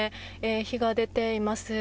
火が出ています。